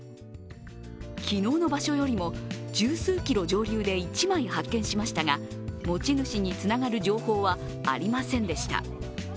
昨日の場所よりも十数キロ上流で１枚発見しましたが持ち主につながる情報はありませんでした。